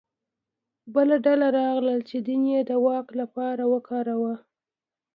بله ډله راغله چې دین یې د واک لپاره وکاروه